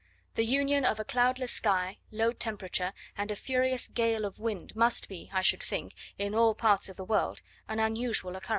The union of a cloudless sky, low temperature, and a furious gale of wind, must be, I should think, in all parts of the world an unusual occurrence.